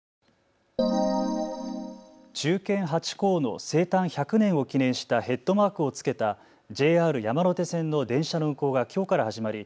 忠犬ハチ公の生誕１００年を記念したヘッドマークを付けたＪＲ山手線の電車の運行がきょうから始まり